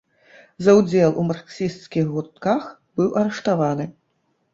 За ўдзел у марксісцкіх гуртках быў арыштаваны.